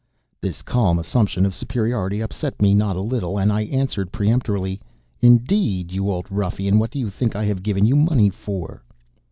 This calm assumption of superiority upset me not a little, and I answered peremptorily: "Indeed, you old ruffian! What do you think I have given you money for?"